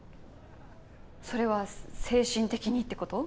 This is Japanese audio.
それは精神的にって事？